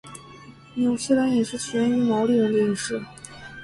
纽西兰饮食起源于毛利人的饮食。